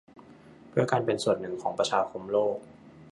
เพื่อการเป็นส่วนหนึ่งของประชาคมโลก